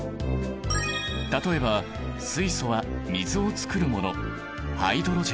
例えば水素は水を作るもの